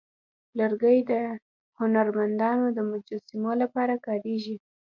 لرګی د هنرمندانو د مجسمو لپاره کارېږي.